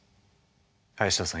林田さん